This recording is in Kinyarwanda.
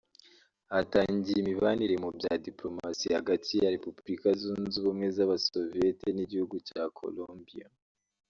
Hatangiye imibanire mu bya dipolomasi hagati ya Repubulika zunze ubumwe z’Abasoviyete n’igihugu cya Columbia